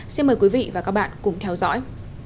xin mời quý vị và các bạn cùng theo dõi